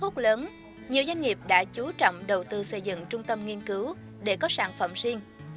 trước gốc lớn nhiều doanh nghiệp đã chú trọng đầu tư xây dựng trung tâm nghiên cứu để có sản phẩm riêng